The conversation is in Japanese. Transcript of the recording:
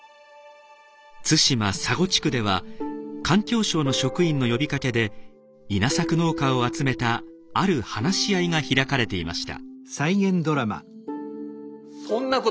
対馬・佐護地区では環境省の職員の呼びかけで稲作農家を集めたある話し合いが開かれていました。